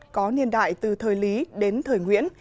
có niên đại từ thời lý đến thời nguyễn